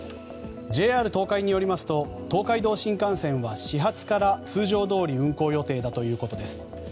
ＪＲ東海によりますと東海道新幹線は始発から通常どおり運行予定だということです。